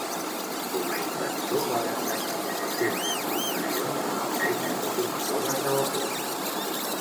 Com a inventor, va destacar per les seves aportacions al disseny de locomotores de vapor.